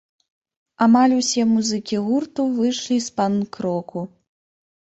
Амаль усе музыкі гурта выйшлі з панк-року.